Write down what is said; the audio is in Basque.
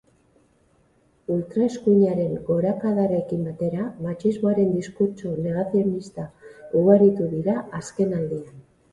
Ultraeskuinaren gorakadarekin batera, matxismoaren diskurtso negazionistak ugaritu dira azkenaldian.